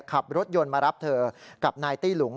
ขับรถยนต์มารับเธอกับนายตี้หลุง